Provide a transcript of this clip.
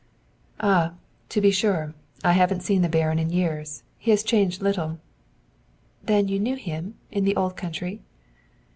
"Ah, to be sure! I haven't seen the Baron in years. He has changed little." "Then you knew him, in the old country?"